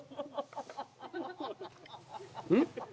うん？